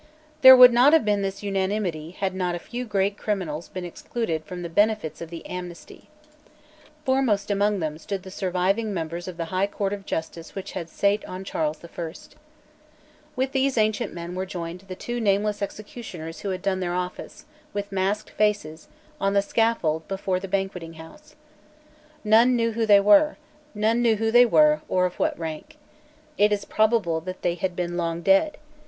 There would not have been this unanimity had not a few great criminals been excluded from the benefits of the amnesty. Foremost among them stood the surviving members of the High Court of Justice which had sate on Charles the First. With these ancient men were joined the two nameless executioners who had done their office, with masked faces, on the scaffold before the Banqueting House. None knew who they were, or of what rank. It was probable that they had been long dead.